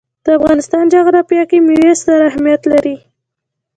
د افغانستان جغرافیه کې مېوې ستر اهمیت لري.